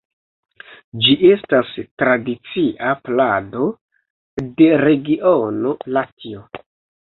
Ĝi estas tradicia plado de regiono Latio.